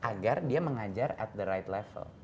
agar dia mengajar di level yang tepat